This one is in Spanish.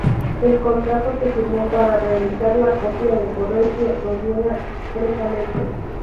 El contrato que firmó para realizar la copia de Correggio lo niega expresamente.